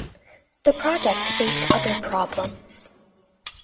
The project faced other problems.